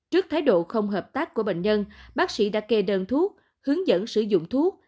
trước thái độ không hợp tác của bệnh nhân bác sĩ đã kê đơn thuốc hướng dẫn sử dụng thuốc